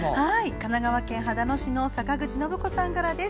神奈川県秦野市の坂口伸子さんからです。